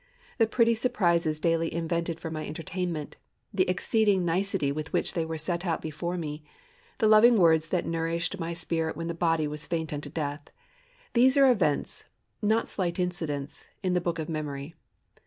The pretty surprises daily invented for my entertainment; the exceeding nicety with which they were set out before me; the loving words that nourished my spirit when the body was faint unto death,—these are events, not slight incidents, in the book of memory.